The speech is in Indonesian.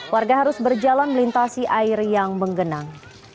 warga harus berjalan melintasi air yang menggenang